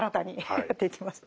はい。